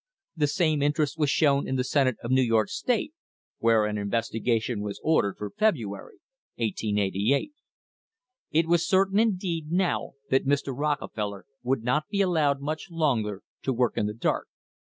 The same interest was shown in the Senate of New York State, where an investiga tion was ordered for February, 1888. It was certain indeed now that Mr. Rockefeller would not be allowed much longer to work in the dark.